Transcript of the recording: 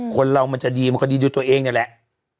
คนเรามันจะดีมันก็ดีด้วยตัวเองนี่แหละ